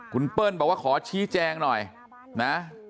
คุณเปิ้ลบอกว่าขอชี้แจงหน่อยนะ